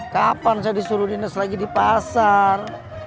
kapan saya disuruh dinas lagi di pasar